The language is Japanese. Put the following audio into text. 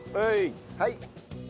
はい。